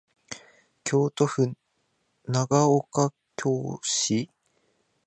京都府長岡京市